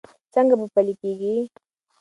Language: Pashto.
څنګه به پلي کېږي؟